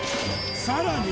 さらに！